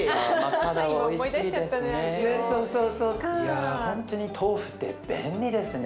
いやほんとに豆腐って便利ですね。